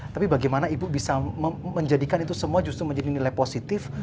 tapi bagaimana ibu bisa menjadikan itu semua justru menjadi nilai positif